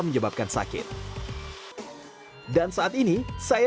menyebabkan sakit dan saat ini saya